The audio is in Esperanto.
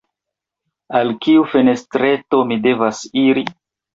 Al kiu fenestreto mi devas iri?